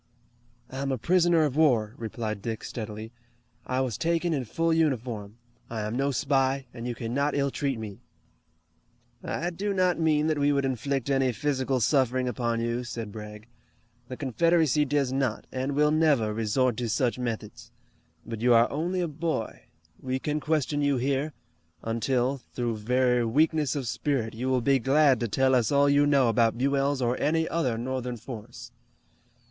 "I am a prisoner of war," replied Dick steadily. "I was taken in full uniform. I am no spy, and you cannot ill treat me." "I do not mean that we would inflict any physical suffering upon you," said Bragg. "The Confederacy does not, and will never resort to such methods. But you are only a boy. We can question you here, until, through very weakness of spirit, you will be glad to tell us all you know about Buell's or any other Northern force."